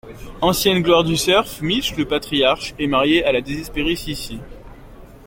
Ancienne gloire du surf, Mitch, le patriarche, est marié à la désespérée Cissy.